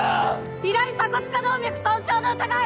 左鎖骨下動脈損傷の疑い！